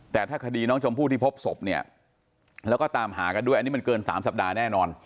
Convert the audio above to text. แต่ถ้าคดีน้องชมพู่ที่พบศพเนี่ยแล้วก็ตามหากันด้วยอันนี้มันเกิน๓สัปดาห์แน่นอน